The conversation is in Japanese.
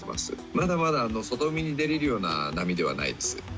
まだまだ外海に出れるような波ではないです。